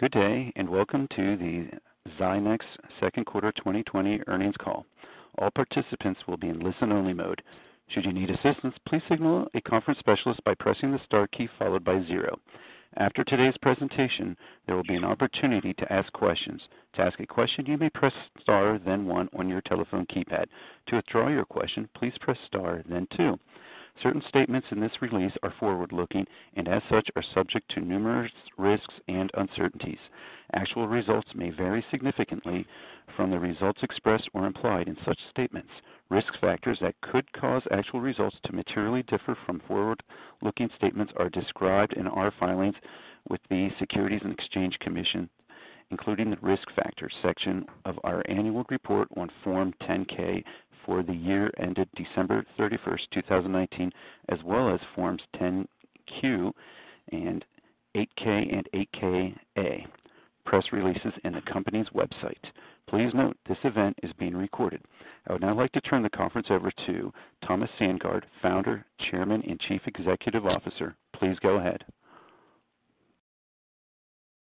Good day, welcome to the Zynex second quarter 2020 earnings call. All participants will be in listen only mode. Should you need assistance, please signal a conference specialist by pressing the star key followed by zero. After today's presentation, there will be an opportunity to ask questions. To ask a question, you may press star then one on your telephone keypad. To withdraw your question, please press star then two. Certain statements in this release are forward-looking and as such, are subject to numerous risks and uncertainties. Actual results may vary significantly from the results expressed or implied in such statements. Risk factors that could cause actual results to materially differ from forward-looking statements are described in our filings with the Securities and Exchange Commission, including the Risk Factors section of our annual report on Form 10-K for the year ended December 31st, 2019, as well as Forms 10-Q and 8-K and 8-K/A, press releases in the company's website. Please note this event is being recorded. I would now like to turn the conference over to Thomas Sandgaard, founder, Chairman, and Chief Executive Officer. Please go ahead.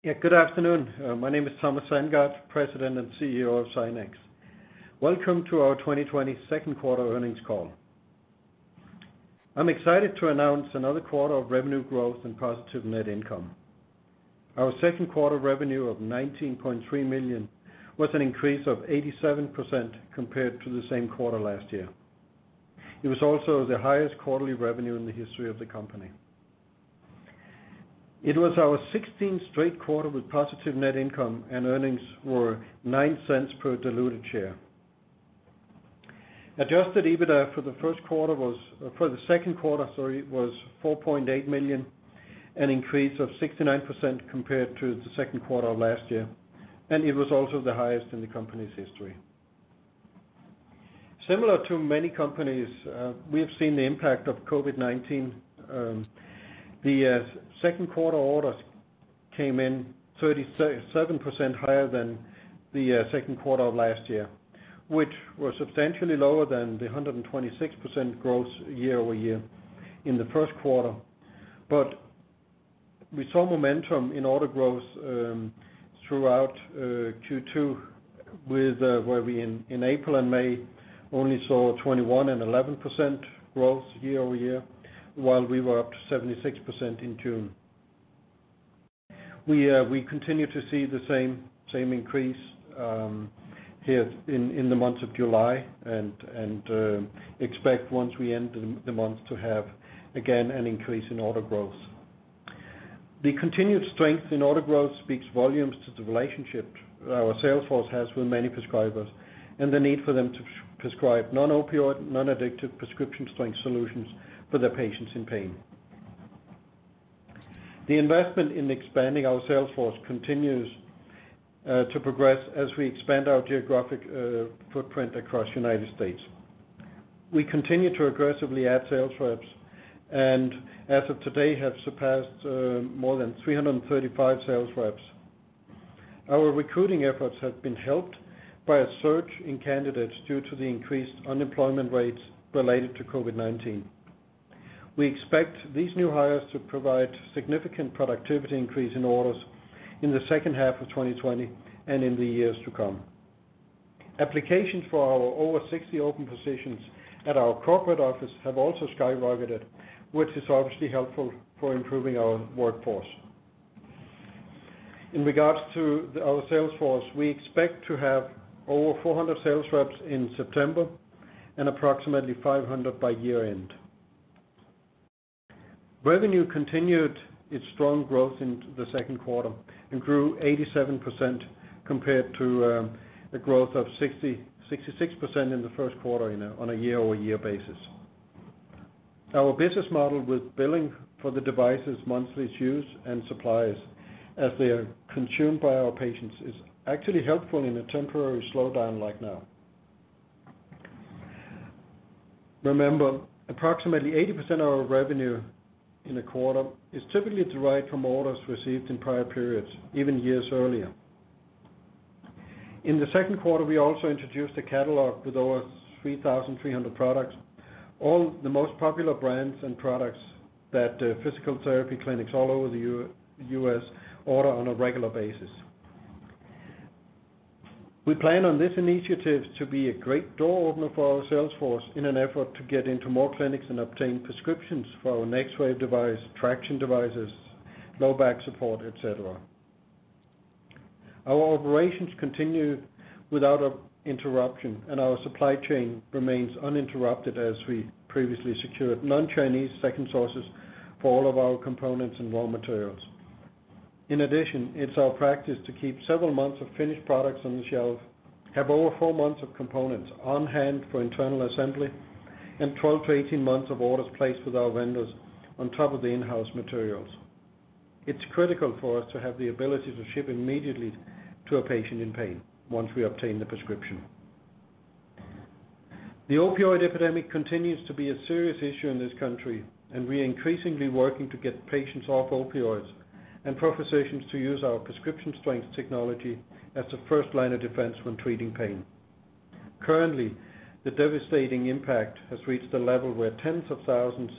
Yeah. Good afternoon. My name is Thomas Sandgaard, President and CEO of Zynex. Welcome to our 2020 second quarter earnings call. I'm excited to announce another quarter of revenue growth and positive net income. Our second quarter revenue of $19.3 million was an increase of 87% compared to the same quarter last year. It was also the highest quarterly revenue in the history of the company. It was our 16th straight quarter with positive net income, and earnings were $0.09 per diluted share. Adjusted EBITDA for the second quarter was $4.8 million, an increase of 69% compared to the second quarter of last year, and it was also the highest in the company's history. Similar to many companies, we have seen the impact of COVID-19. The second quarter orders came in 37% higher than the second quarter of last year, which was substantially lower than the 126% growth year-over-year in the first quarter. We saw momentum in order growth throughout Q2 where we in April and May only saw 21% and 11% growth year-over-year, while we were up to 76% in June. We continue to see the same increase here in the month of July and expect once we end the month to have, again, an increase in order growth. The continued strength in order growth speaks volumes to the relationship our sales force has with many prescribers and the need for them to prescribe non-opioid, non-addictive prescription strength solutions for their patients in pain. The investment in expanding our sales force continues to progress as we expand our geographic footprint across the United States. We continue to aggressively add sales reps and as of today have surpassed more than 335 sales reps. Our recruiting efforts have been helped by a surge in candidates due to the increased unemployment rates related to COVID-19. We expect these new hires to provide significant productivity increase in orders in the second half of 2020 and in the years to come. Applications for our over 60 open positions at our corporate office have also skyrocketed, which is obviously helpful for improving our workforce. In regards to our sales force, we expect to have over 400 sales reps in September and approximately 500 by year-end. Revenue continued its strong growth into the second quarter and grew 87% compared to a growth of 66% in the first quarter on a year-over-year basis. Our business model with billing for the devices monthly dues and supplies as they are consumed by our patients is actually helpful in a temporary slowdown like now. Remember, approximately 80% of our revenue in a quarter is typically derived from orders received in prior periods, even years earlier. In the second quarter, we also introduced a catalog with over 3,300 products, all the most popular brands and products that physical therapy clinics all over the U.S., order on a regular basis. We plan on this initiative to be a great door opener for our sales force in an effort to get into more clinics and obtain prescriptions for our NexWave device, traction devices, low back support, et cetera. Our operations continue without interruption, and our supply chain remains uninterrupted as we previously secured non-Chinese second sources for all of our components and raw materials. In addition, it's our practice to keep several months of finished products on the shelf, have over 4 months of components on-hand for internal assembly, and 12-18 months of orders placed with our vendors on top of the in-house materials. It's critical for us to have the ability to ship immediately to a patient in pain once we obtain the prescription. The opioid epidemic continues to be a serious issue in this country, and we are increasingly working to get patients off opioids and professionals to use our prescription strength technology as a first line of defense when treating pain. Currently, the devastating impact has reached a level where tens of thousands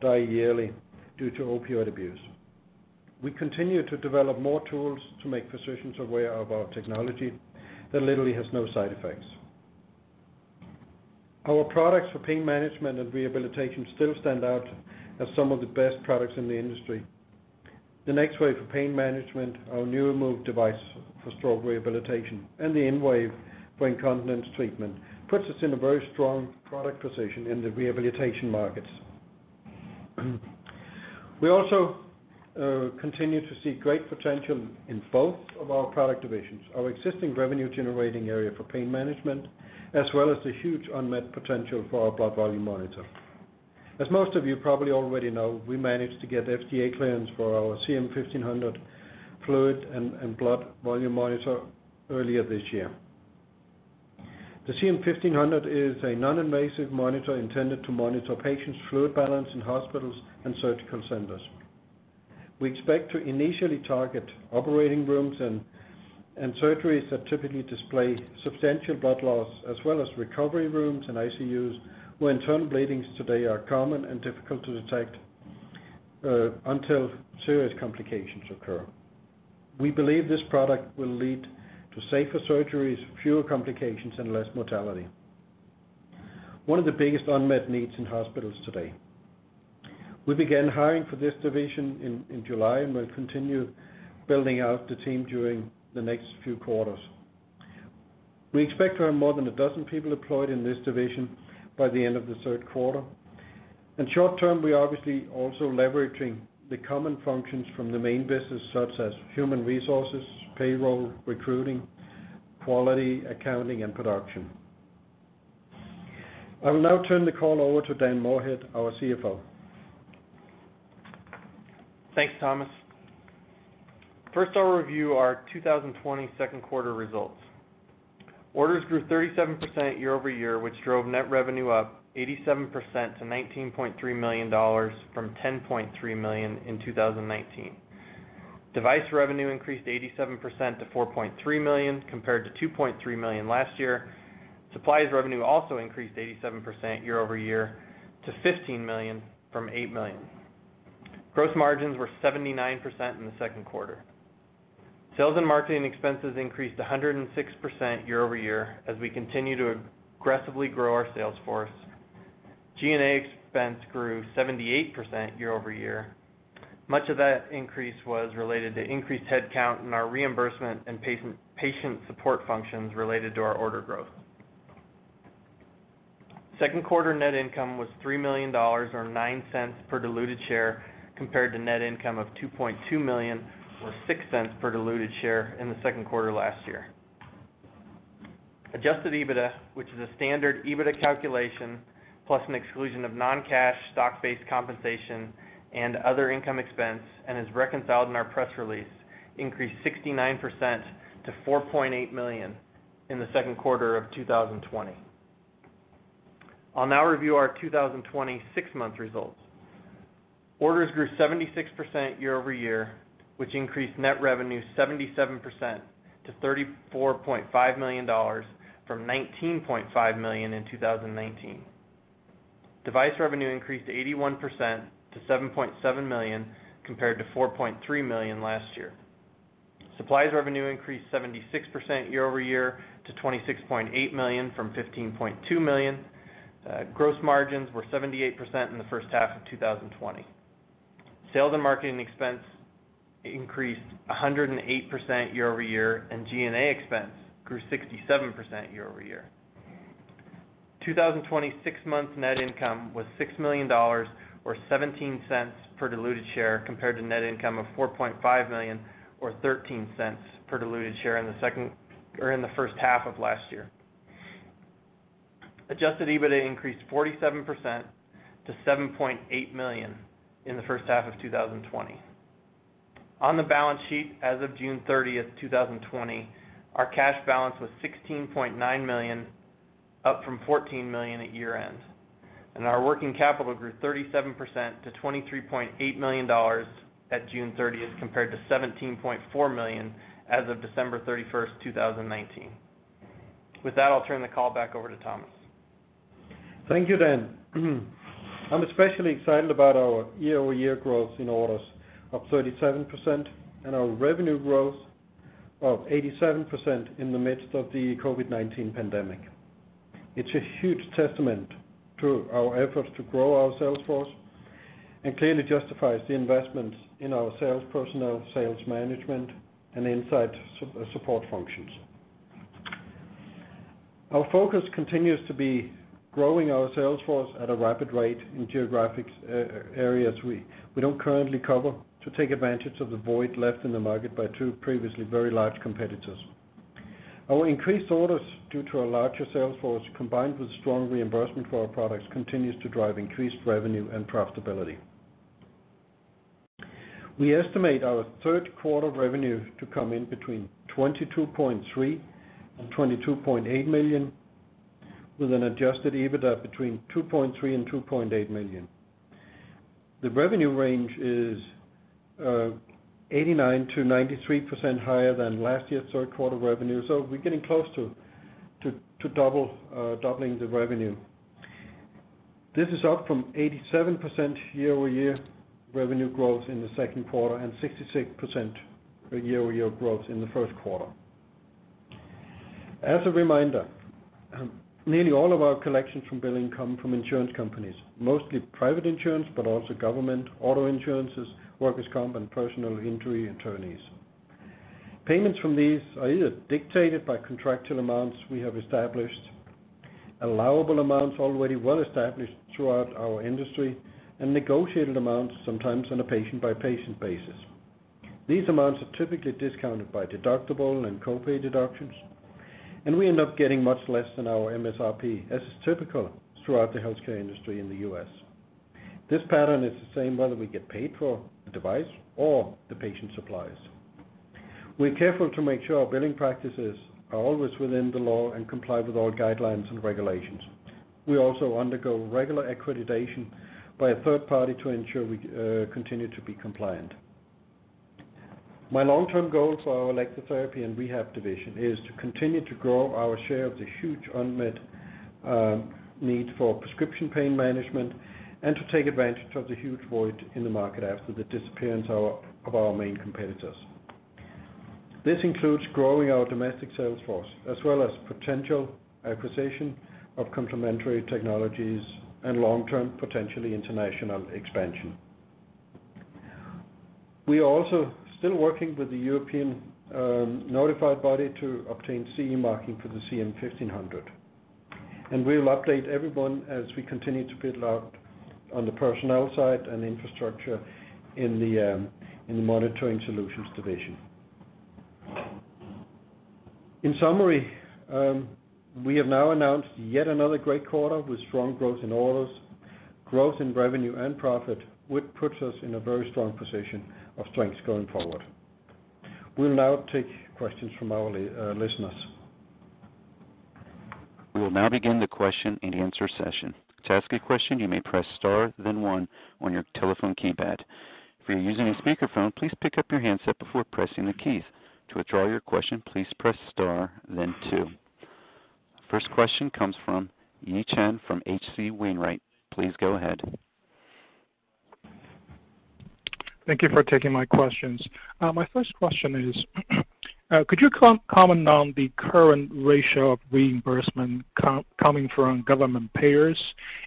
die yearly due to opioid abuse. We continue to develop more tools to make physicians aware of our technology that literally has no side effects. Our products for pain management and rehabilitation still stand out as some of the best products in the industry. The NexWave for pain management, our NeuroMove device for stroke rehabilitation, and the InWave for incontinence treatment, puts us in a very strong product position in the rehabilitation markets. We also continue to see great potential in both of our product divisions, our existing revenue-generating area for pain management, as well as the huge unmet potential for our blood volume monitor. As most of you probably already know, we managed to get FDA clearance for our CM-1500 fluid and blood volume monitor earlier this year. The CM-1500 is a non-invasive monitor intended to monitor patients' fluid balance in hospitals and surgical centers. We expect to initially target operating rooms and surgeries that typically display substantial blood loss, as well as recovery rooms and ICUs, where internal bleedings today are common and difficult to detect until serious complications occur. We believe this product will lead to safer surgeries, fewer complications, and less mortality. One of the biggest unmet needs in hospitals today. We began hiring for this division in July and will continue building out the team during the next few quarters. We expect to have more than a dozen people employed in this division by the end of the third quarter. In short term, we're obviously also leveraging the common functions from the main business, such as human resources, payroll, recruiting, quality, accounting, and production. I will now turn the call over to Dan Moorhead, our CFO. Thanks, Thomas. First, I'll review our 2020 second quarter results. Orders grew 37% year-over-year, which drove net revenue up 87% to $19.3 million from $10.3 million in 2019. Device revenue increased 87% to $4.3 million, compared to $2.3 million last year. Supplies revenue also increased 87% year-over-year to $15 million from $8 million. Gross margins were 79% in the second quarter. Sales and marketing expenses increased 106% year-over-year, as we continue to aggressively grow our sales force. G&A expense grew 78% year-over-year. Much of that increase was related to increased headcount in our reimbursement and patient support functions related to our order growth. Second quarter net income was $3 million, or $0.09 per diluted share, compared to net income of $2.2 million or $0.06 per diluted share in the second quarter last year. Adjusted EBITDA, which is a standard EBITDA calculation plus an exclusion of non-cash stock-based compensation and other income expense, and is reconciled in our press release, increased 69% to $4.8 million in the second quarter of 2020. I'll now review our 2020 six-month results. Orders grew 76% year-over-year, which increased net revenue 77% to $34.5 million from $19.5 million in 2019. Device revenue increased 81% to $7.7 million compared to $4.3 million last year. Supplies revenue increased 76% year-over-year to $26.8 million from $15.2 million. Gross margins were 78% in the first half of 2020. Sales and marketing expense increased 108% year-over-year, and G&A expense grew 67% year-over-year. 2020 six-month net income was $6 million, or $0.17 per diluted share, compared to net income of $4.5 million or $0.13 per diluted share in the first half of last year. Adjusted EBITDA increased 47% to $7.8 million in the first half of 2020. On the balance sheet as of June 30th, 2020, our cash balance was $16.9 million, up from $14 million at year-end. Our working capital grew 37% to $23.8 million at June 30th, compared to $17.4 million as of December 31st, 2019. With that, I'll turn the call back over to Thomas. Thank you, Dan. I'm especially excited about our year-over-year growth in orders of 37% and our revenue growth of 87% in the midst of the COVID-19 pandemic. It's a huge testament to our efforts to grow our sales force and clearly justifies the investments in our sales personnel, sales management, and inside support functions. Our focus continues to be growing our sales force at a rapid rate in geographic areas we don't currently cover to take advantage of the void left in the market by two previously very large competitors. Our increased orders due to our larger sales force, combined with strong reimbursement for our products, continues to drive increased revenue and profitability. We estimate our third quarter revenue to come in between $22.3 million and $22.8 million, with an adjusted EBITDA between $2.3 million and $2.8 million. The revenue range is 89%-93% higher than last year's third quarter revenue. We're getting close to doubling the revenue. This is up from 87% year-over-year revenue growth in the second quarter and 66% year-over-year growth in the first quarter. As a reminder, nearly all of our collections from billing come from insurance companies, mostly private insurance, but also government, auto insurances, workers' comp, and personal injury attorneys. Payments from these are either dictated by contracted amounts we have established, allowable amounts already well established throughout our industry, and negotiated amounts, sometimes on a patient-by-patient basis. These amounts are typically discounted by deductible and co-pay deductions, and we end up getting much less than our MSRP, as is typical throughout the healthcare industry in the U.S.,. This pattern is the same whether we get paid for a device or the patient supplies. We're careful to make sure our billing practices are always within the law and comply with all guidelines and regulations. We also undergo regular accreditation by a third party to ensure we continue to be compliant. My long-term goal for our electrotherapy and rehab division is to continue to grow our share of the huge unmet need for prescription pain management and to take advantage of the huge void in the market after the disappearance of our main competitors. This includes growing our domestic sales force, as well as potential acquisition of complementary technologies and long-term, potentially international expansion. We are also still working with the European notified body to obtain CE marking for the CM-1500. We'll update everyone as we continue to build out on the personnel side and infrastructure in the monitoring solutions division. In summary, we have now announced yet another great quarter with strong growth in orders, growth in revenue and profit, which puts us in a very strong position of strength going forward. We'll now take questions from our listeners. We will now begin the question-and-answer session. To ask a question, you may press star then one on your telephone keypad. If you're using a speakerphone, please pick up your handset before pressing the keys. To withdraw your question, please press star then two. First question comes from Yi Chen from H.C. Wainwright. Please go ahead. Thank you for taking my questions. My first question is, could you comment on the current ratio of reimbursement coming from government payers?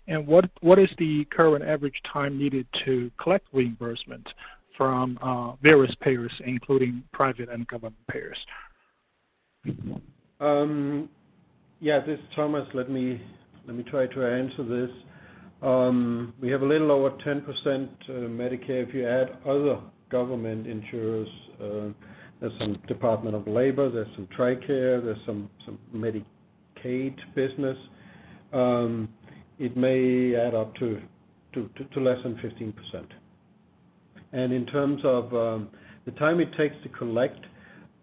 What is the current average time needed to collect reimbursement from various payers, including private and government payers? Yeah. This is Thomas. Let me try to answer this. We have a little over 10% Medicare. If you add other government insurers, there's some Department of Labor, there's some TRICARE, there's some Medicaid business. It may add up to less than 15%. In terms of the time it takes to collect,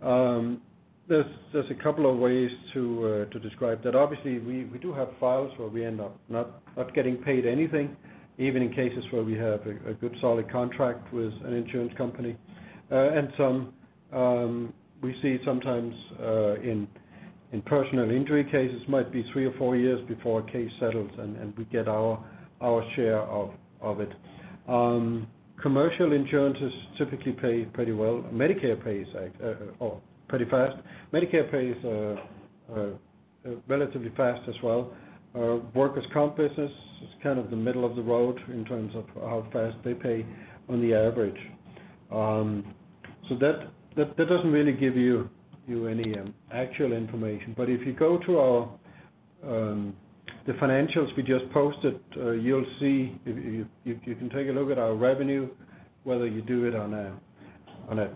there's a couple of ways to describe that. Obviously, we do have files where we end up not getting paid anything, even in cases where we have a good solid contract with an insurance company. We see sometimes in personal injury cases, might be three or four years before a case settles, and we get our share of it. Commercial insurances typically pay pretty well. Medicare pays pretty fast. Medicare pays relatively fast as well. Workers' comp business is kind of the middle of the road in terms of how fast they pay on the average. That doesn't really give you any actual information. If you go to the financials we just posted, you can take a look at our revenue, whether you do it on a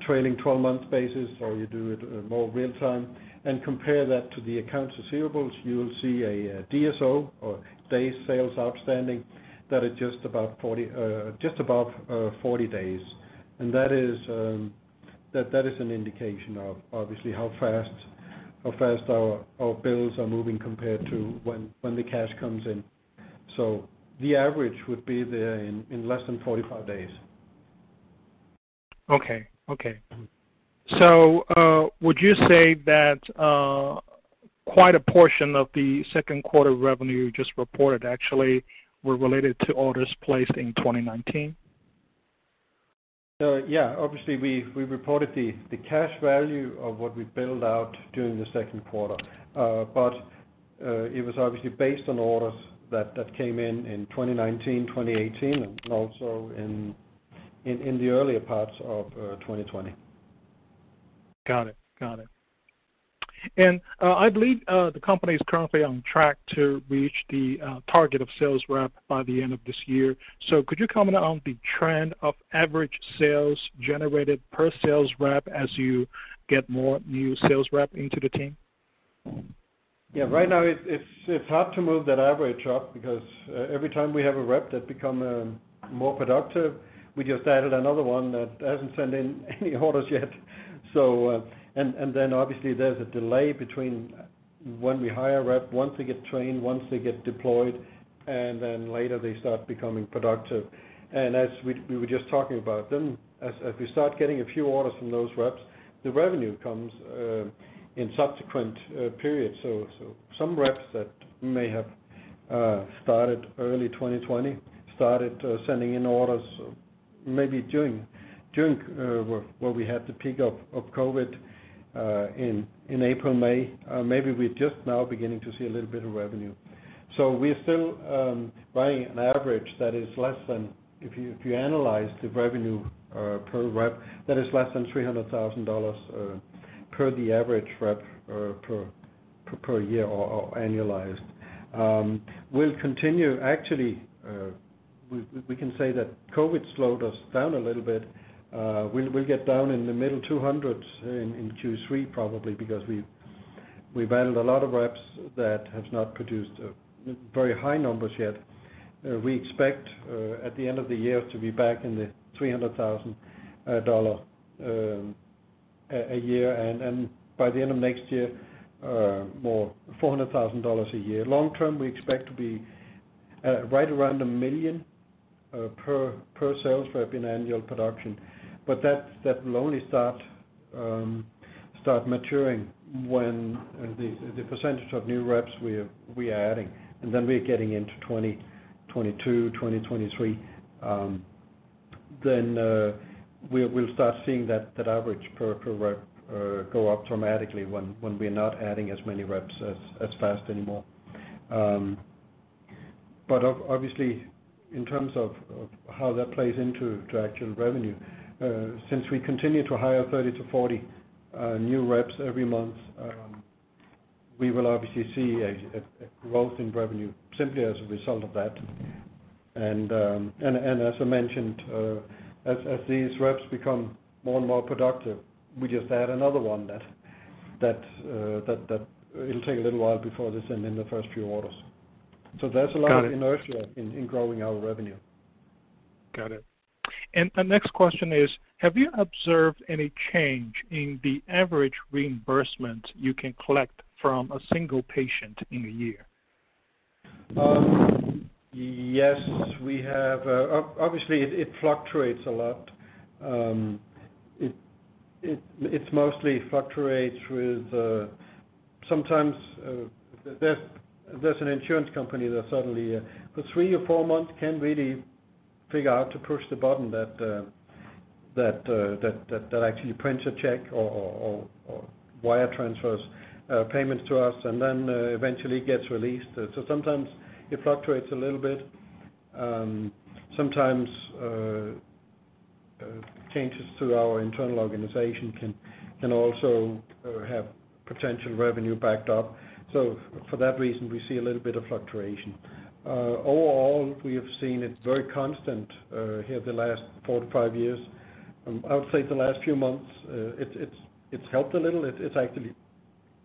trailing 12-month basis or you do it more real time, and compare that to the accounts receivables, you'll see a DSO or Days Sales Outstanding that is just above 40 days. That is an indication of obviously how fast our bills are moving compared to when the cash comes in. The average would be in less than 45 days. Okay. Would you say that quite a portion of the second quarter revenue just reported actually were related to orders placed in 2019? Yeah. Obviously, we reported the cash value of what we billed out during the second quarter. It was obviously based on orders that came in in 2019, 2018, and also in the earlier parts of 2020. Got it. I believe the company is currently on track to reach the target of sales rep by the end of this year. Could you comment on the trend of average sales generated per sales rep as you get more new sales rep into the team? Yeah. Right now, it's hard to move that average up because every time we have a rep that become more productive, we just added another one that hasn't sent in any orders yet. Obviously, there's a delay when we hire a rep, once they get trained, once they get deployed, and then later they start becoming productive. As we were just talking about then, as we start getting a few orders from those reps, the revenue comes in subsequent periods. Some reps that may have started early 2020, started sending in orders maybe during where we had the peak of COVID in April, May. Maybe we're just now beginning to see a little bit of revenue. We're still buying an average that is less than, if you analyze the revenue per rep, that is less than $300,000 per the average rep per year or annualized. We'll continue, actually, we can say that COVID slowed us down a little bit. We'll get down in the middle 200s in Q3 probably because we've added a lot of reps that have not produced very high numbers yet. We expect at the end of the year to be back in the $300,000 a year, and by the end of next year, more $400,000 a year. Long term, we expect to be right around $1 million per sales rep in annual production. That will only start maturing when the percentage of new reps we are adding, and then we are getting into 2022, 2023. We'll start seeing that average per rep go up dramatically when we're not adding as many reps as fast anymore. Obviously in terms of how that plays into actual revenue, since we continue to hire 30 to 40 new reps every month, we will obviously see a growth in revenue simply as a result of that. As I mentioned, as these reps become more and more productive, we just add another one that it'll take a little while before they send in the first few orders. Got it. inertia in growing our revenue. Got it. The next question is, have you observed any change in the average reimbursement you can collect from a single patient in a year? Yes, we have. Obviously, it fluctuates a lot. It mostly fluctuates with, sometimes there's an insurance company that suddenly for three or four months can't really figure out to push the button that actually prints a check or wire transfers payments to us and then eventually gets released. Sometimes it fluctuates a little bit. Sometimes changes to our internal organization can also have potential revenue backed up. For that reason, we see a little bit of fluctuation. Overall, we have seen it very constant here the last four to five years. I would say the last few months, it's helped a little. It's actually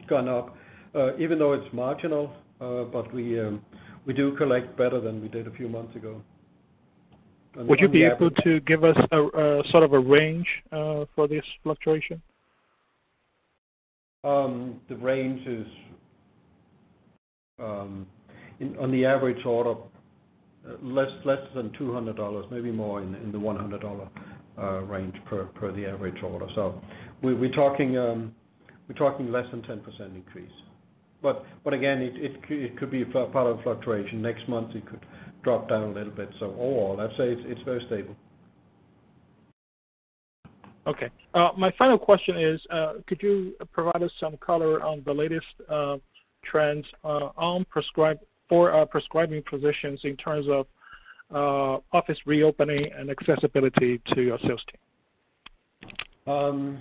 gone up, even though it's marginal, but we do collect better than we did a few months ago. Would you be able to give us a range for this fluctuation? The range is, on the average order, less than $200, maybe more in the $100 range per the average order. We're talking less than 10% increase. Again, it could be part of the fluctuation. Next month it could drop down a little bit. Overall, I'd say it's very stable. Okay. My final question is, could you provide us some color on the latest trends for our prescribing physicians in terms of office reopening and accessibility to your sales team?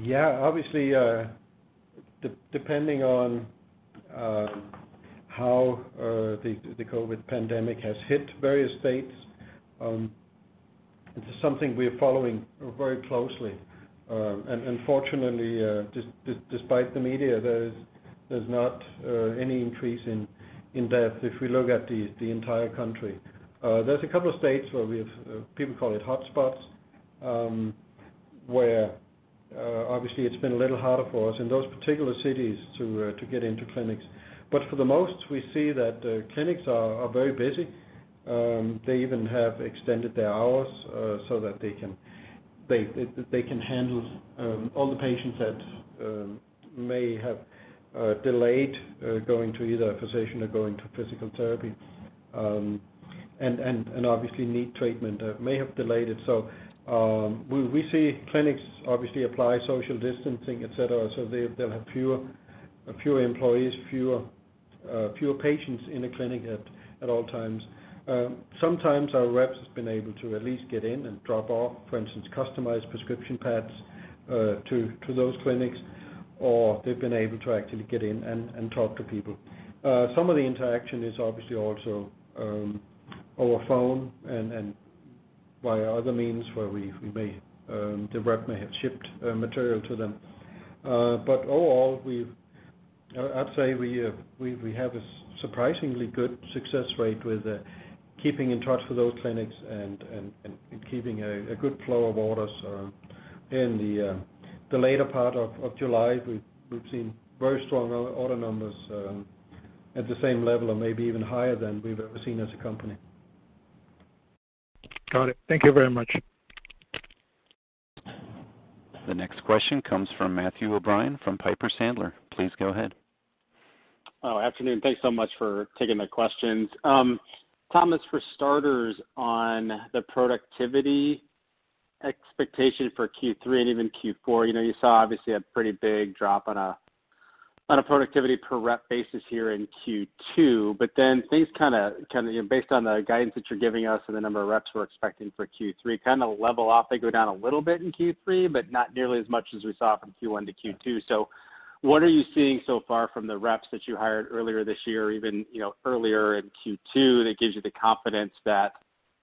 Yeah, obviously, depending on how the COVID-19 pandemic has hit various states, this is something we are following very closely. Fortunately, despite the media, there's not any increase in death if we look at the entire country. There's a couple of states where we have, people call it hotspots, where obviously it's been a little harder for us in those particular cities to get into clinics. For the most, we see that clinics are very busy. They even have extended their hours, so that they can handle all the patients that may have delayed going to either a physician or going to physical therapy, obviously need treatment, may have delayed it. We see clinics obviously apply social distancing, et cetera, they'll have fewer employees, fewer patients in a clinic at all times. Sometimes our reps has been able to at least get in and drop off, for instance, customized prescription pads to those clinics, or they've been able to actually get in and talk to people. Some of the interaction is obviously also over phone and via other means where the rep may have shipped material to them. Overall, I'd say we have a surprisingly good success rate with keeping in touch with those clinics and keeping a good flow of orders. In the later part of July, we've seen very strong order numbers at the same level or maybe even higher than we've ever seen as a company. Got it. Thank you very much. The next question comes from Matthew O'Brien from Piper Sandler. Please go ahead. Oh, afternoon. Thanks so much for taking the questions. Thomas, for starters, on the productivity expectation for Q3 and even Q4. You saw obviously a pretty big drop on a productivity per rep basis here in Q2, but then things, based on the guidance that you're giving us and the number of reps we're expecting for Q3, level off. They go down a little bit in Q3, but not nearly as much as we saw from Q1 to Q2. What are you seeing so far from the reps that you hired earlier this year, even earlier in Q2, that gives you the confidence that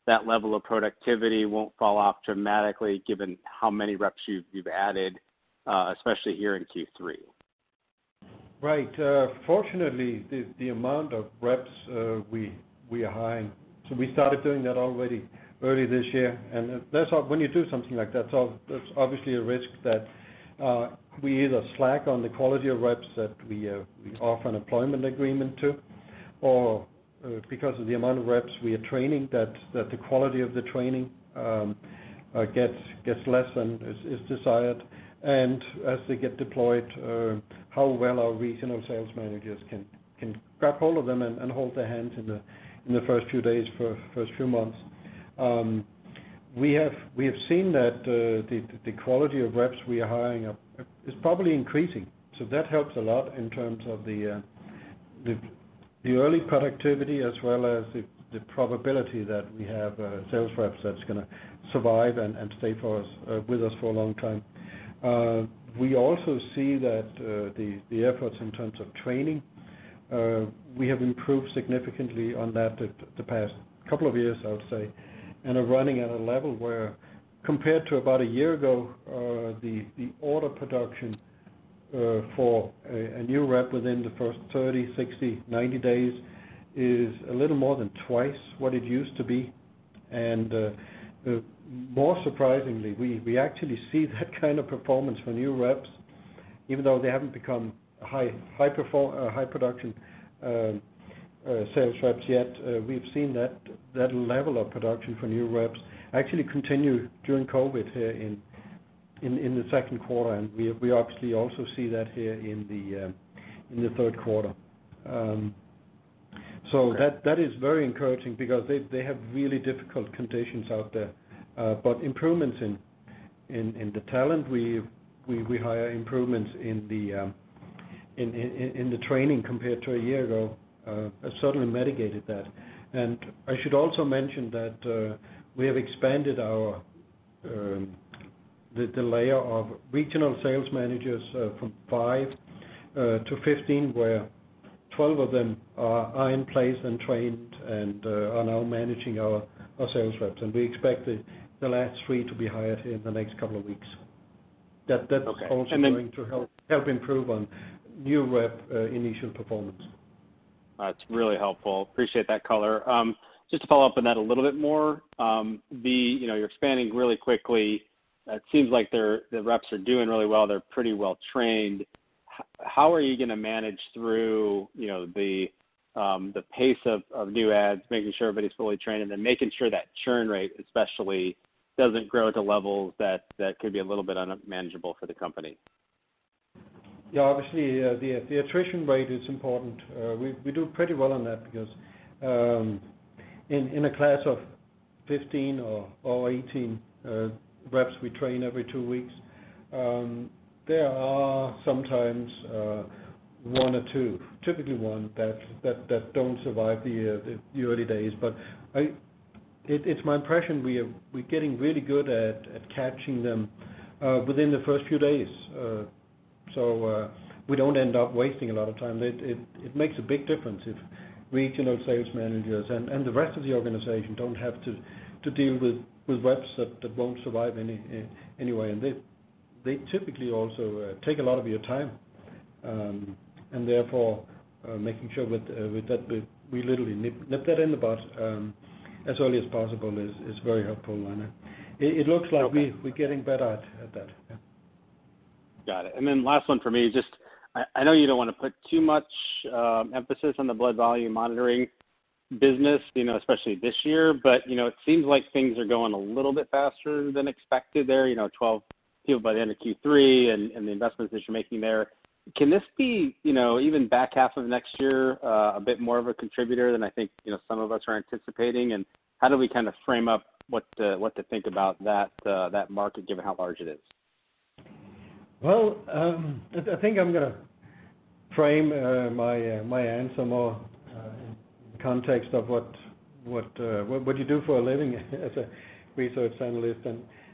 that level of productivity won't fall off dramatically given how many reps you've added, especially here in Q3? Right. Fortunately, the amount of reps we are hiring. We started doing that already early this year. When you do something like that, there's obviously a risk that we either slack on the quality of reps that we offer an employment agreement to, or because of the amount of reps we are training, that the quality of the training gets less than is desired. As they get deployed, how well our regional sales managers can grab hold of them and hold their hands in the first few days, for first few months. We have seen that the quality of reps we are hiring is probably increasing. That helps a lot in terms of the early productivity as well as the probability that we have sales reps that's going to survive and stay with us for a long time. We also see that the efforts in terms of training, we have improved significantly on that the past couple of years, I would say, and are running at a level where, compared to about a year ago, the order production for a new rep within the first 30, 60, 90 days is a little more than twice what it used to be. More surprisingly, we actually see that kind of performance from new reps, even though they haven't become high production sales reps yet. We've seen that level of production for new reps actually continue during COVID here in the second quarter, and we obviously also see that here in the third quarter. That is very encouraging because they have really difficult conditions out there. Improvements in the talent we hire, improvements in the training compared to a year ago, has certainly mitigated that. I should also mention that we have expanded the layer of regional sales managers from 5 to 15, where 12 of them are in place and trained and are now managing our sales reps. We expect the last three to be hired here in the next couple of weeks. Okay. That's also going to help improve on new rep initial performance. That's really helpful. Appreciate that color. Just to follow up on that a little bit more. You're expanding really quickly. It seems like the reps are doing really well. They're pretty well trained. How are you going to manage through the pace of new adds, making sure everybody's fully trained, and then making sure that churn rate especially doesn't grow to levels that could be a little bit unmanageable for the company? Yeah, obviously, the attrition rate is important. We do pretty well on that because in a class of 15 or 18 reps we train every two weeks, there are sometimes one or two, typically one, that don't survive the early days. It's my impression we're getting really good at catching them within the first few days, so we don't end up wasting a lot of time. It makes a big difference if regional sales managers and the rest of the organization don't have to deal with reps that won't survive anyway. They typically also take a lot of your time. Therefore, making sure with that we literally nip that in the bud as early as possible is very helpful. It looks like we're getting better at that, yeah. Got it. Last one for me. I know you don't want to put too much emphasis on the blood volume monitoring business, especially this year. It seems like things are going a little bit faster than expected there, 12 people by the end of Q3 and the investments that you're making there. Can this be, even back half of next year, a bit more of a contributor than I think some of us are anticipating? How do we frame up what to think about that market given how large it is? Well, I think I'm going to frame my answer more in context of what you do for a living as a research analyst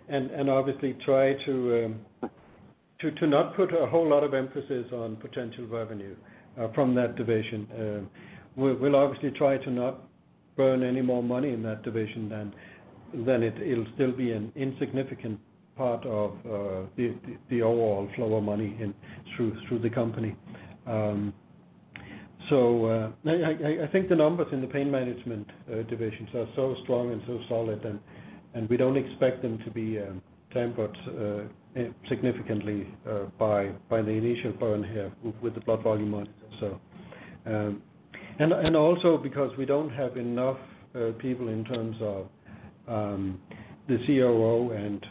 and obviously try to not put a whole lot of emphasis on potential revenue from that division. We'll obviously try to not burn any more money in that division than it'll still be an insignificant part of the overall flow of money through the company. I think the numbers in the pain management divisions are so strong and so solid, and we don't expect them to be tempered significantly by the initial burn here with the blood volume monitor. Also because we don't have enough people in terms of the COO, and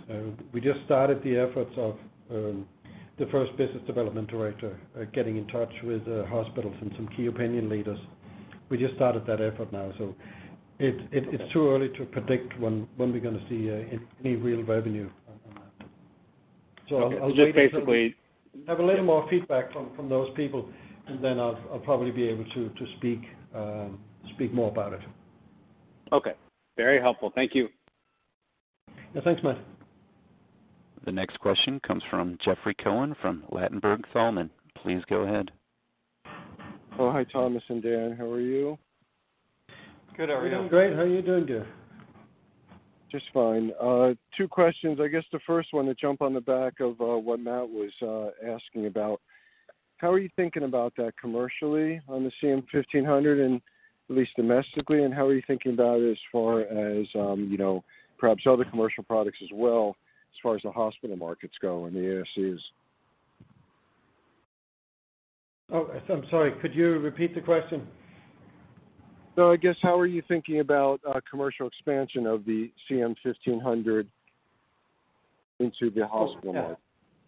we just started the efforts of the first business development director getting in touch with hospitals and some key opinion leaders. We just started that effort now, so it's too early to predict when we're going to see any real revenue on that. Okay. Have a little more feedback from those people, and then I'll probably be able to speak more about it. Okay. Very helpful. Thank you. Yeah. Thanks, Matt. The next question comes from Jeffrey Cohen from Ladenburg Thalmann. Please go ahead. Oh, hi, Thomas and Dan. How are you? Good. How are you? We're doing great. How are you doing, Jeff? Just fine. Two questions. I guess the first one to jump on the back of what Matt was asking about, how are you thinking about that commercially on the CM-1500 and at least domestically, and how are you thinking about it as far as perhaps other commercial products as well, as far as the hospital markets go and the ASCs? Oh, I'm sorry. Could you repeat the question? I guess how are you thinking about commercial expansion of the CM-1500 into the hospital market?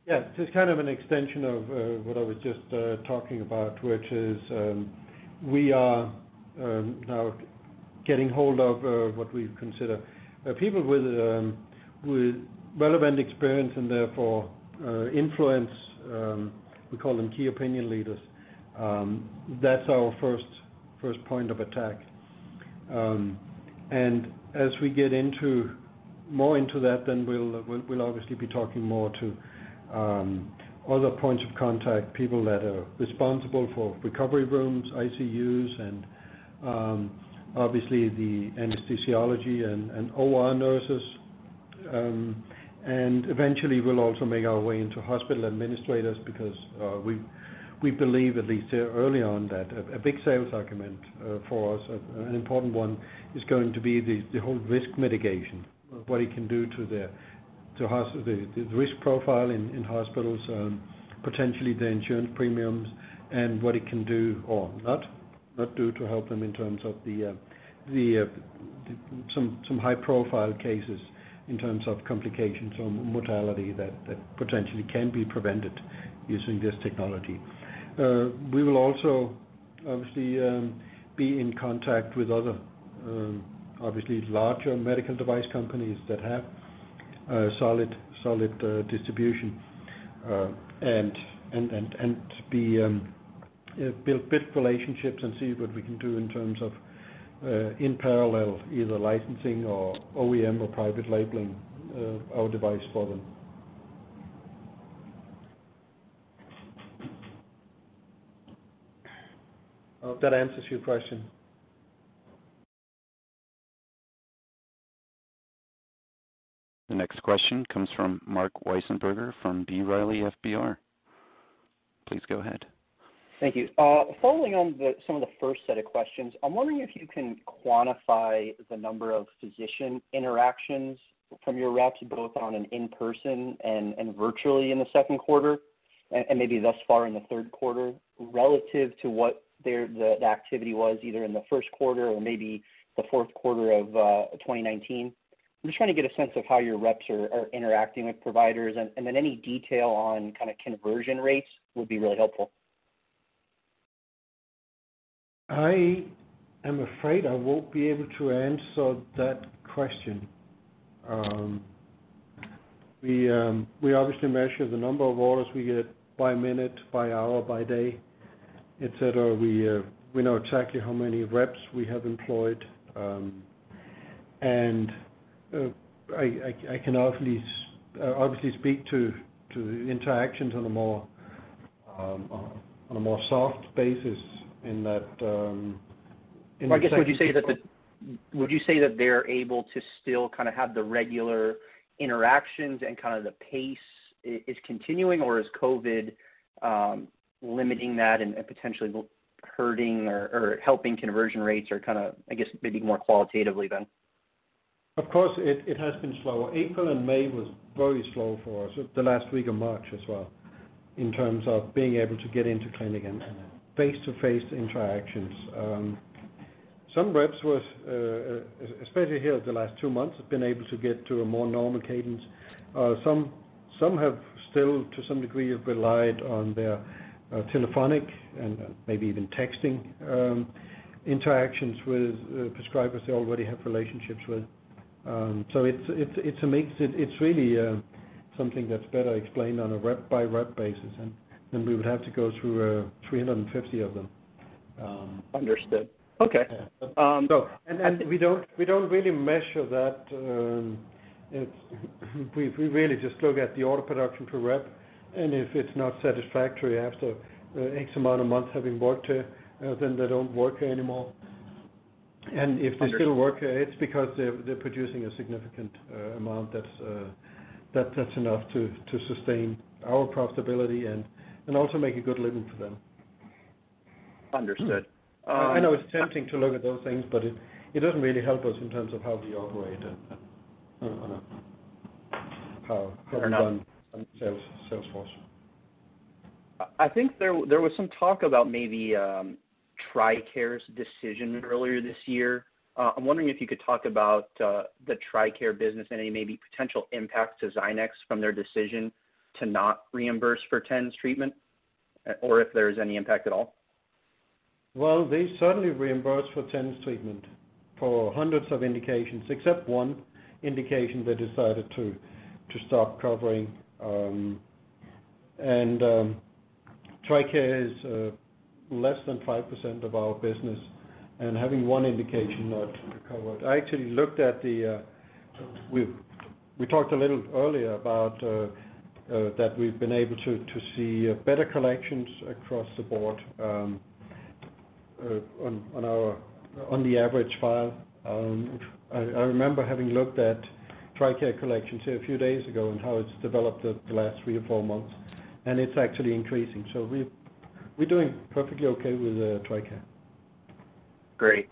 Yeah. Just kind of an extension of what I was just talking about, which is we are now getting hold of what I consider people with relevant experience and therefore influence. We call them key opinion leaders. That's our first point of attack. As we get more into that, then we'll obviously be talking more to other points of contact, people that are responsible for recovery rooms, ICUs, and obviously the anesthesiology and OR nurses. Eventually, we'll also make our way into hospital administrators because we believe, at least early on, that a big sales argument for us, an important one, is going to be the whole risk mitigation of what it can do to the risk profile in hospitals, potentially the insurance premiums and what it can do or not do to help them in terms of some high-profile cases, in terms of complications or mortality that potentially can be prevented using this technology. We will also obviously be in contact with other, obviously larger medical device companies that have solid distribution, and build relationships and see what we can do in terms of, in parallel, either licensing or OEM or private labeling our device for them. I hope that answers your question. The next question comes from Marc Wiesenberger from B. Riley FBR. Please go ahead. Thank you. Following on some of the first set of questions, I'm wondering if you can quantify the number of physician interactions from your reps, both on an in-person and virtually in the second quarter, and maybe thus far in the third quarter, relative to what the activity was either in the first quarter or maybe the fourth quarter of 2019. I'm just trying to get a sense of how your reps are interacting with providers, and then any detail on kind of conversion rates would be really helpful. I am afraid I won't be able to answer that question. We obviously measure the number of orders we get by minute, by hour, by day, et cetera. We know exactly how many reps we have employed. I can obviously speak to interactions on a more soft basis. I guess, would you say that they're able to still kind of have the regular interactions and kind of the pace is continuing, or is COVID limiting that and potentially hurting or helping conversion rates or kind of, I guess, maybe more qualitatively, then? Of course, it has been slow. April and May was very slow for us, the last week of March as well, in terms of being able to get into clinic and face-to-face interactions. Some reps were, especially here the last two months, have been able to get to a more normal cadence. Some have still, to some degree, relied on their telephonic and maybe even texting interactions with prescribers they already have relationships with. It's a mix. It's really something that's better explained on a rep-by-rep basis, and then we would have to go through 350 of them. Understood. Okay. We don't really measure that. We really just look at the order production per rep, and if it's not satisfactory after X amount of months having worked, then they don't work anymore. Understood. If they still work, it's because they're producing a significant amount that's enough to sustain our profitability and also make a good living for them. Understood. I know it's tempting to look at those things, but it doesn't really help us in terms of how we operate, how we've done on sales force. I think there was some talk about maybe TRICARE's decision earlier this year. I'm wondering if you could talk about the TRICARE business, any maybe potential impact to Zynex from their decision to not reimburse for TENS treatment, or if there's any impact at all. Well, they certainly reimbursed for TENS treatment for hundreds of indications, except one indication they decided to stop covering. TRICARE is less than 5% of our business, and having one indication not covered. We talked a little earlier about that we've been able to see better collections across the board on the average file. I remember having looked at TRICARE collections here a few days ago and how it's developed the last three or four months, and it's actually increasing. We're doing perfectly okay with TRICARE. Great.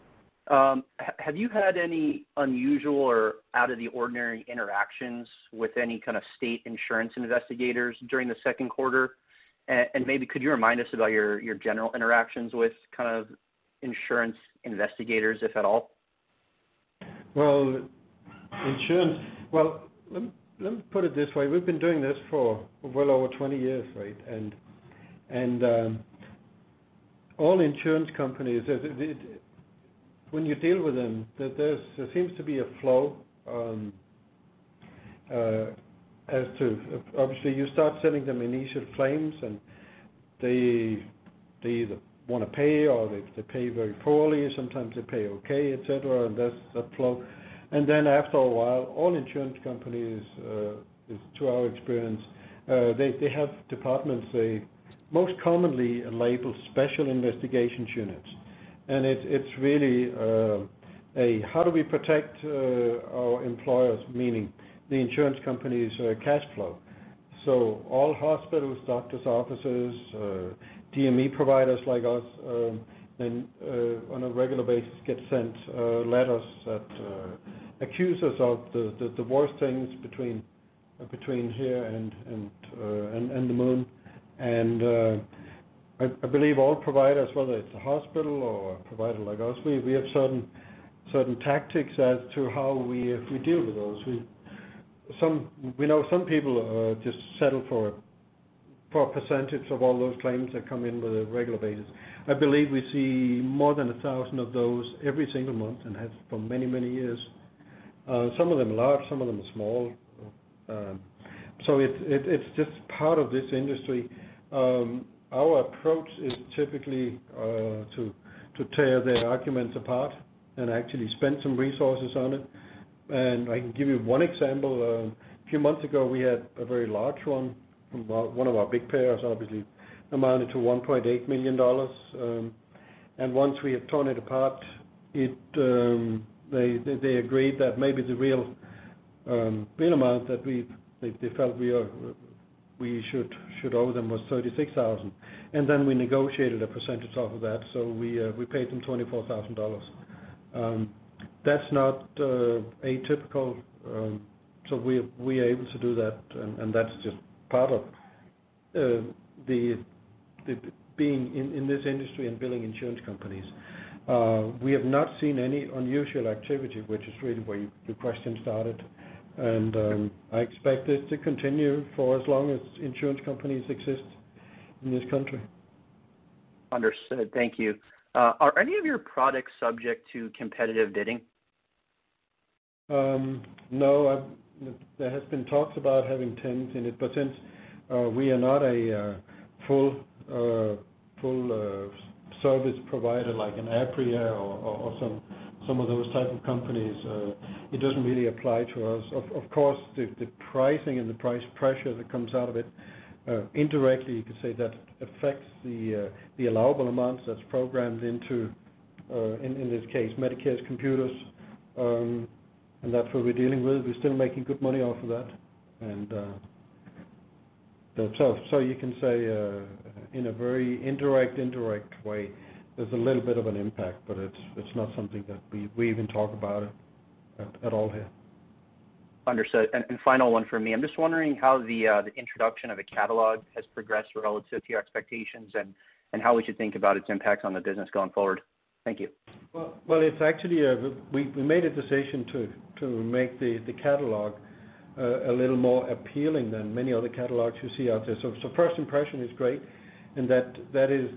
Have you had any unusual or out-of-the-ordinary interactions with any kind of state insurance investigators during the second quarter? Could you remind us about your general interactions with insurance investigators, if at all? Well, let me put it this way. We've been doing this for well over 20 years, right? All insurance companies, when you deal with them, there seems to be a flow as to, obviously, you start sending them initial claims, and they either want to pay or they pay very poorly. Sometimes they pay okay, et cetera, and there's a flow. Then after a while, all insurance companies, to our experience, they have departments they most commonly label Special Investigations Units. It's really a how do we protect our employers, meaning the insurance company's cash flow. All hospitals, doctors' offices, DME providers like us, on a regular basis, get sent letters that accuse us of the worst things between here and the moon. I believe all providers, whether it's a hospital or a provider like us, we have certain tactics as to how we deal with those. We know some people just settle for a percentage of all those claims that come in with a regular basis. I believe we see more than 1,000 of those every single month and have for many, many years. Some of them large, some of them small. It's just part of this industry. Our approach is typically to tear their arguments apart and actually spend some resources on it. I can give you one example. A few months ago, we had a very large one from one of our big payers, obviously, amounted to $1.8 million. Once we had torn it apart, they agreed that maybe the real amount that they felt we should owe them was $36,000. Then we negotiated a percentage off of that. We paid them $24,000. That's not atypical. We are able to do that, and that's just part of being in this industry and billing insurance companies. We have not seen any unusual activity, which is really where your question started, and I expect this to continue for as long as insurance companies exist in this country. Understood. Thank you. Are any of your products subject to competitive bidding? No. There has been talks about having TENS in it, but since we are not a full service provider like an Apria or some of those type of companies, it doesn't really apply to us. Of course, the pricing and the price pressure that comes out of it, indirectly, you could say that affects the allowable amounts that's programmed into, in this case, Medicare's computers. That's what we're dealing with. We're still making good money off of that. You can say, in a very indirect way, there's a little bit of an impact, but it's not something that we even talk about at all here. Understood. Final one from me. I'm just wondering how the introduction of a catalog has progressed relative to your expectations and how we should think about its impact on the business going forward. Thank you. We made a decision to make the catalog a little more appealing than many other catalogs you see out there. First impression is great. That is,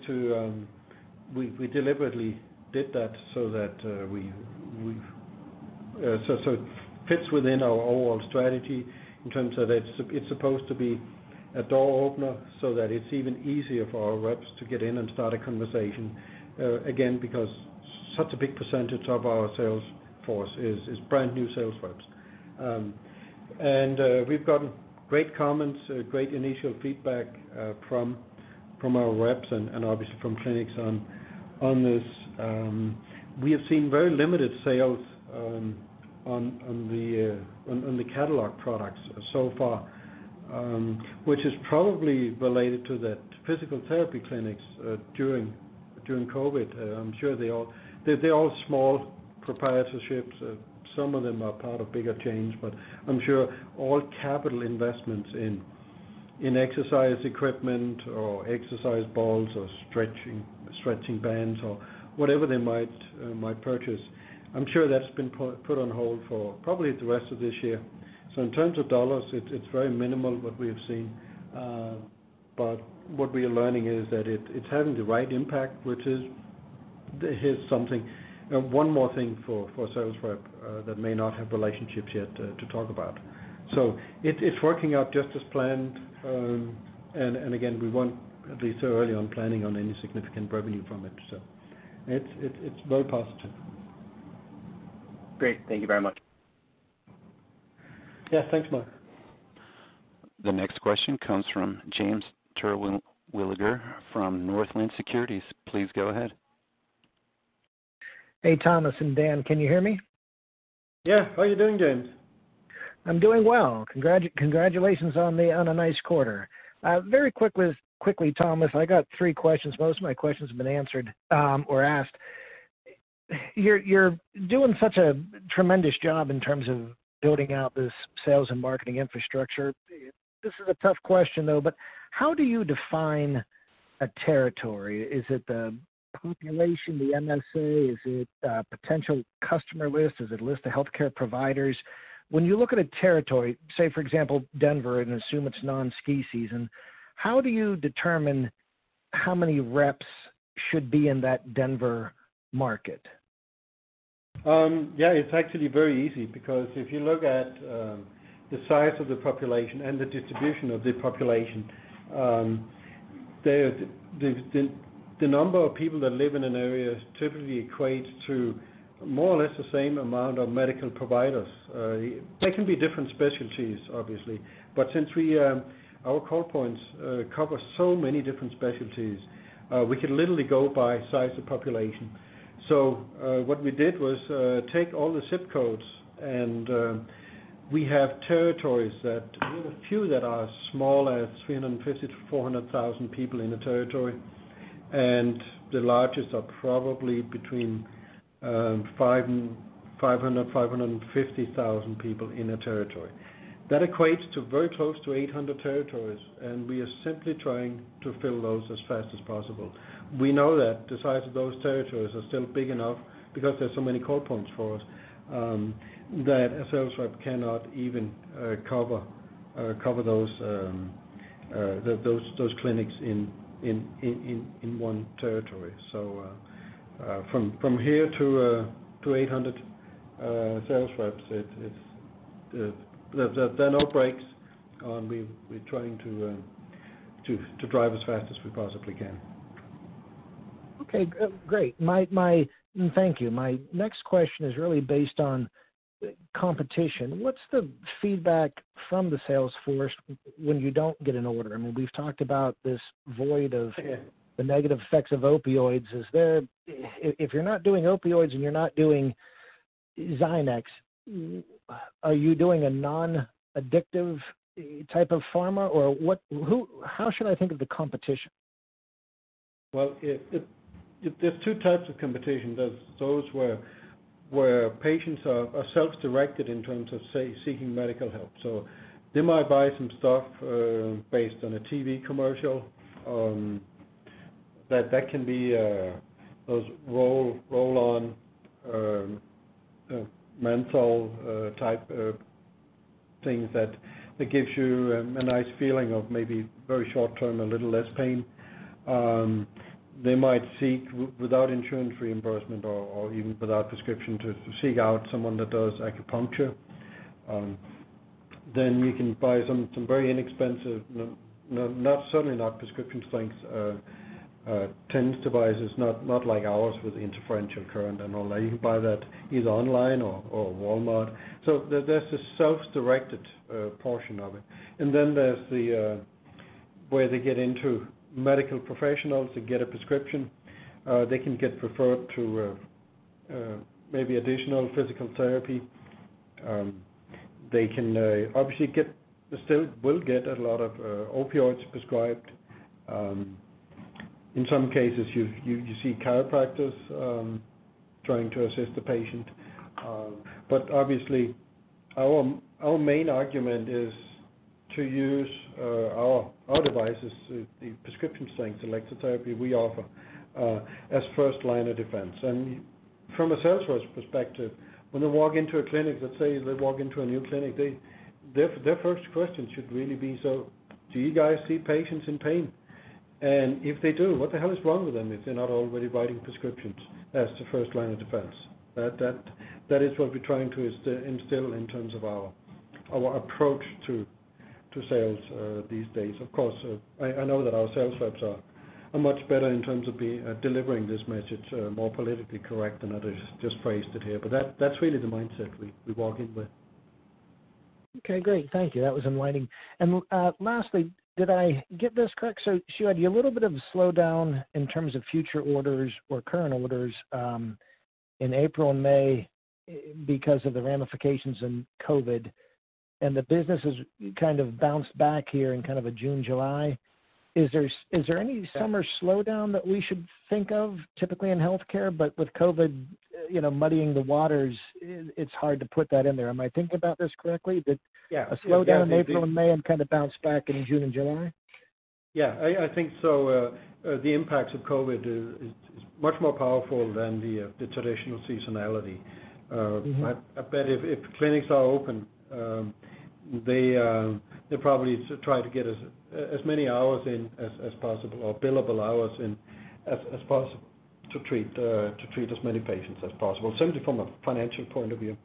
we deliberately did that so it fits within our overall strategy in terms of it's supposed to be a door opener so that it's even easier for our reps to get in and start a conversation, again, because such a big percentage of our sales force is brand-new sales reps. We've gotten great comments, great initial feedback from our reps and obviously from clinics on this. We have seen very limited sales on the catalog products so far, which is probably related to the physical therapy clinics during COVID. I'm sure they're all small proprietorships. Some of them are part of bigger chains, but I'm sure all capital investments in exercise equipment or exercise balls or stretching bands or whatever they might purchase, I'm sure that's been put on hold for probably the rest of this year. In terms of dollars, it's very minimal what we have seen. What we are learning is that it's having the right impact, which is something. One more thing for sales rep that may not have relationships yet to talk about. It's working out just as planned. Again, we want at least early on planning on any significant revenue from it. It's very positive. Great. Thank you very much. Yeah. Thanks, Marc. The next question comes from James Terwilliger from Northland Securities. Please go ahead. Hey, Thomas and Dan, can you hear me? Yeah. How are you doing, James? I'm doing well. Congratulations on a nice quarter. Very quickly, Thomas, I got three questions. Most of my questions have been answered or asked. You're doing such a tremendous job in terms of building out this sales and marketing infrastructure. This is a tough question, though, how do you define a territory? Is it the population, the MSA? Is it a potential customer list? Is it a list of healthcare providers? When you look at a territory, say, for example, Denver, and assume it's non-ski season, how do you determine how many reps should be in that Denver market? Yeah, it's actually very easy because if you look at the size of the population and the distribution of the population, the number of people that live in an area typically equates to more or less the same amount of medical providers. They can be different specialties, obviously. Since our call points cover so many different specialties, we can literally go by size of population. What we did was take all the zip codes, and we have territories that we have a few that are as small as 350,000-400,000 people in a territory, and the largest are probably between 500,000-550,000 people in a territory. That equates to very close to 800 territories, and we are simply trying to fill those as fast as possible. We know that the size of those territories are still big enough because there's so many call points for us that a sales rep cannot even cover those clinics in one territory. From here to 800 sales reps, there are no braks. We're trying to drive as fast as we possibly can. Okay, great. Thank you. My next question is really based on competition. What's the feedback from the sales force when you don't get an order? We've talked about this void of the negative effects of opioids. If you're not doing opioids and you're not doing Zynex, are you doing a non-addictive type of pharma? How should I think of the competition? There's two types of competition. There's those where patients are self-directed in terms of, say, seeking medical help. They might buy some stuff based on a TV commercial. That can be those roll-on menthol type of things that gives you a nice feeling of maybe very short-term, a little less pain. They might seek, without insurance reimbursement or even without prescription, to seek out someone that does acupuncture. We can buy some very inexpensive, certainly not prescription strength TENS devices, not like ours with the interferential current and all that. You can buy that either online or Walmart. There's a self-directed portion of it. There's the way they get into medical professionals to get a prescription. They can get referred to maybe additional physical therapy. They can obviously will get a lot of opioids prescribed. In some cases, you see chiropractors trying to assist the patient. Obviously, our main argument is to use our devices, the prescription-strength electrotherapy we offer as first line of defense. From a sales force perspective, when they walk into a clinic, let's say they walk into a new clinic, their first question should really be, do you guys see patients in pain? If they do, what the hell is wrong with them if they're not already writing prescriptions as the first line of defense? That is what we're trying to instill in terms of our approach to sales these days. Of course, I know that our sales reps are much better in terms of delivering this message more politically correct than others just phrased it here. That's really the mindset we walk in with. Okay, great. Thank you. That was enlightening. Lastly, did I get this correct? You had a little bit of a slowdown in terms of future orders or current orders in April and May because of the ramifications in COVID, the business has kind of bounced back here in kind of a June, July. Is there any summer slowdown that we should think of typically in healthcare, but with COVID muddying the waters, it's hard to put that in there. Am I thinking about this correctly? Yeah. That a slowdown April and May, and kind of bounced back in June and July? Yeah, I think so. The impacts of COVID is much more powerful than the traditional seasonality. I bet if clinics are open, they probably try to get as many hours in as possible, or billable hours in as possible to treat as many patients as possible, simply from a financial point of view.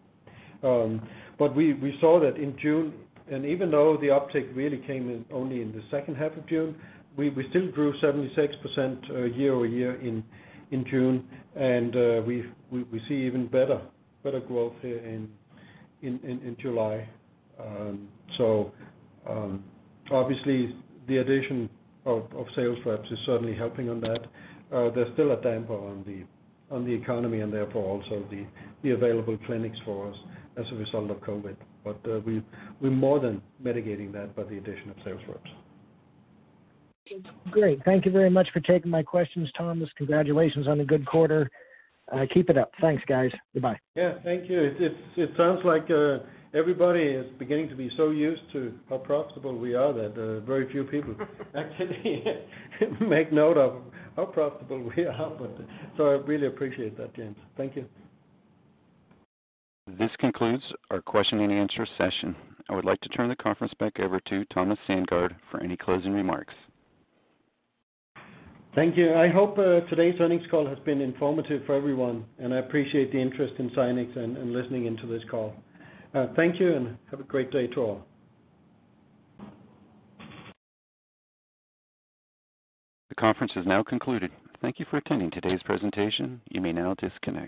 We saw that in June, and even though the uptick really came in only in the second half of June, we still grew 76% year-over-year in June. We see even better growth here in July. Obviously the addition of sales reps is certainly helping on that. There's still a damper on the economy, and therefore also the available clinics for us as a result of COVID. We're more than mitigating that by the addition of sales reps. Great. Thank you very much for taking my questions, Thomas. Congratulations on a good quarter. Keep it up. Thanks, guys. Goodbye. Yeah, thank you. It sounds like everybody is beginning to be so used to how profitable we are that very few people actually make note of how profitable we are. I really appreciate that, James. Thank you. This concludes our question and answer session. I would like to turn the conference back over to Thomas Sandgaard for any closing remarks. Thank you. I hope today's earnings call has been informative for everyone, and I appreciate the interest in Zynex and listening into this call. Thank you, and have a great day to all. The conference has now concluded. Thank you for attending today's presentation. You may now disconnect.